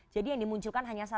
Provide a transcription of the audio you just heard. jadi yang dimusnahkan adalah